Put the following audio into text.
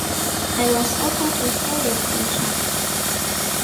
I was offered a four year contract.